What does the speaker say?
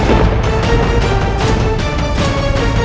saya memilih brave water ini